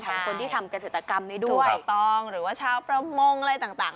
ของคนที่ทำเกษตรกรรมนี้ด้วยถูกต้องหรือว่าชาวประมงอะไรต่าง